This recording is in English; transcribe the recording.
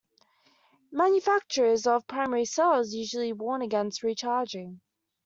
Manufacturers of primary cells usually warn against recharging.